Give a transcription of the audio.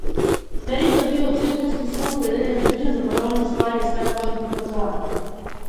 Перица видел циркуски слон пред еден дуќан за продавање ствари од стакло и порцелан.